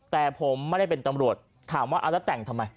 แต่ผมไม่ได้เป็นตำรวจถามว่าเอาแล้วแต่งทำไม